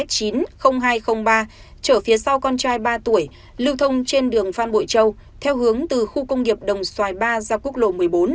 chở phía sau con trai ba tuổi lưu thông trên đường phan bội châu theo hướng từ khu công nghiệp đồng xoài ba ra quốc lộ một mươi bốn